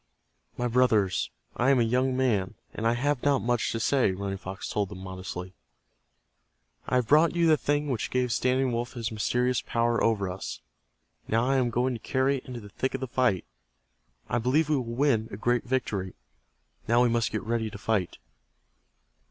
"My brothers, I am a young man, and I have not much to say," Running Fox told them, modestly. "I have brought you the thing which gave Standing Wolf his mysterious power over us. Now I am going to carry it into the thick of the fight. I believe we will win a great victory. Now we must get ready to fight."